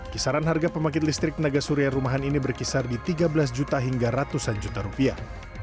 kisaran harga pembangkit listrik tenaga surya rumahan ini berkisar di tiga belas juta hingga ratusan juta rupiah